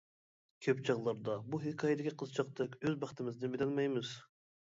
كۆپ چاغلاردا بۇ ھېكايىدىكى قىزچاقتەك ئۆز بەختىمىزنى بىلەلمەيمىز.